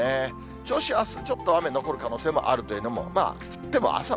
銚子、あす、ちょっと雨残る可能性あるというのも、降っても朝晩。